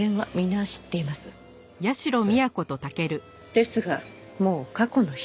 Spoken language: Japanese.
ですがもう過去の人。